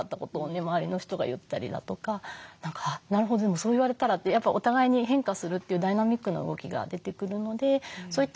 周りの人が言ったりだとか「なるほどでもそう言われたら」ってやっぱお互いに変化するというダイナミックな動きが出てくるのでそういった